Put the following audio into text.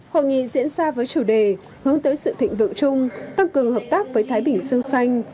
hội nghị diễn ra với chủ đề hướng tới sự thịnh vượng chung tăng cường hợp tác với thái bình dương xanh